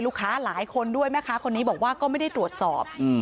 ลูกค้าหลายคนด้วยแม่ค้าคนนี้บอกว่าก็ไม่ได้ตรวจสอบ